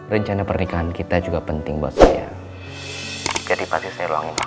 rencana pernikahan kita juga penting buat saya jadi pasti saya ruangin waktu